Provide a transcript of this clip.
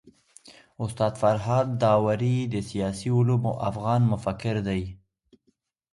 استاد فرهاد داوري د سياسي علومو افغان مفکر دی.